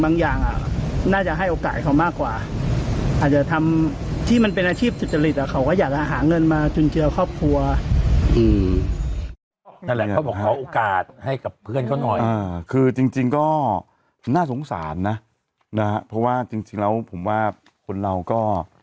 นั่นแหละเขาบอกขอโอกาสให้กับเพื่อนเขาหน่อยคือจริงก็น่าสงสารนะนะเพราะว่าจริงแล้วผมว่าคนเราก็